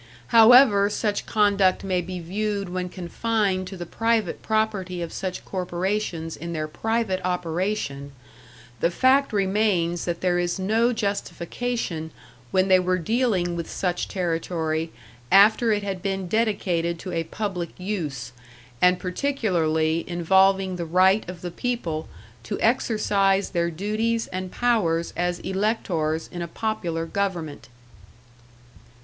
However such conduct may be viewed when confined to the private property of such corporations in their private operation, the fact remains that there is no justification when they were dealing with such territory after it had been dedicated to a public use, and particularly involving the right of the people to exercise their duties and powers as electors in a popular government.